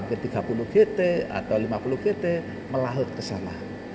g tiga puluh gt atau lima puluh gt melaut ke sana